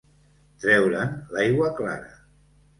Treure'n l'aigua clara.